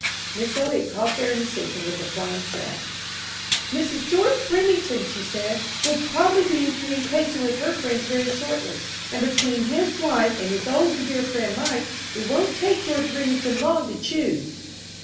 Miss Eliot caught their indecision with a flying shaft. "Mrs. George Remington," she said, "will probably be in communication with her friends very shortly. And between his wife and his old and dear friend Mike it won't take George Remington long to choose."